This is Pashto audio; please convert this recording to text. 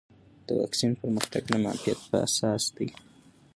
د واکسین پرمختګ د معافیت پر اساس دی.